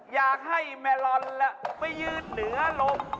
อยากให้แมลอนไปยืนเหนือลม